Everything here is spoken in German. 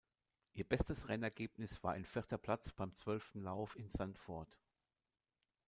Ihr bestes Rennergebnis war ein vierter Platz beim zwölften Lauf in Zandvoort.